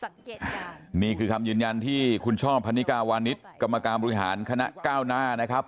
นี่คือคำยืนยันที่คุณช่อพันนิกาวานิสกรรมการบริหารคณะก้าวหน้านะครับ